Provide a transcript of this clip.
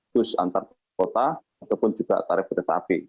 bus antar kota ataupun juga tarif kereta api